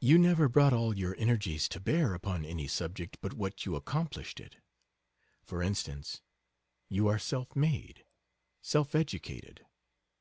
You never brought all your energies to bear upon any subject but what you accomplished it for instance, you are self made, self educated.